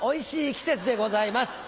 季節でございます。